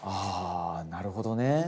あなるほどね。